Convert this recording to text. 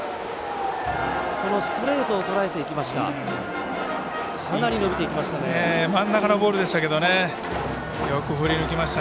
このストレートをとらえてきました。